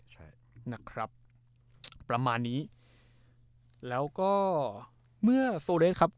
ใช่นะครับประมาณนี้แล้วก็เมื่อโซเรสครับ